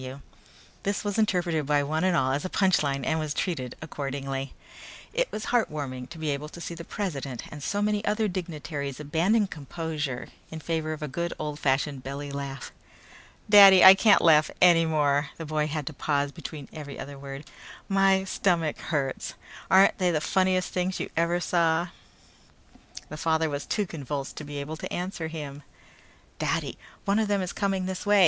F.W." This was interpreted by one and all as a punch line and was treated accordingly. It was heartwarming to be able to see the president and so many other dignitaries abandon composure in favor of a good old fashioned belly laugh. "Daddy, I can't laugh any more," the boy had to pause between every other word. "My stomach hurts. Aren't they the funniest things you ever saw?" The father was too convulsed to be able to answer him. "Daddy, one of them is coming this way!